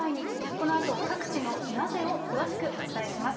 このあと各地のナゼを詳しくお伝えします。